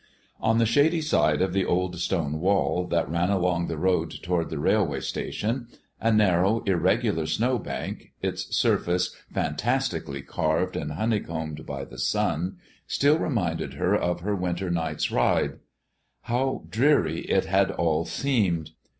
On the shady side of the old stone wall that ran along the road toward the railway station, a narrow, irregular snowbank, its surface fantastically carved and honeycombed by the sun, still reminded her of her winter night's ride. How dreary it had all seemed!